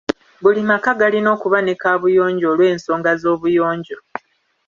Buli maka galina okuba ne kaabuyonjo olw'ensonga z'obuyonjo.